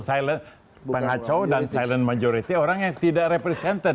pangacau dan silent majority orang yang tidak represented